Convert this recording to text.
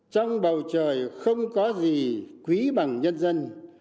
trong bầu trời không có gì quý bằng nhân dân